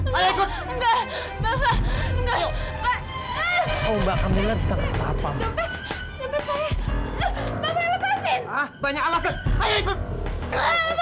saya mau lepasin saya mbak